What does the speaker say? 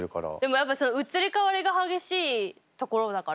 やっぱ移り変わりが激しいところだから。